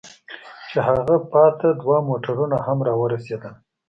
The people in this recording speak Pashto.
چې هغه پاتې دوه موټرونه هم را ورسېدل.